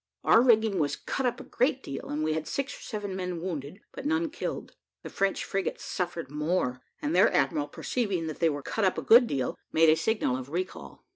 Our rigging was cut up a great deal, and we had six or seven men wounded, but none killed. The French frigates suffered more, and their admiral perceiving that they were cut up a good deal, made a signal of recall.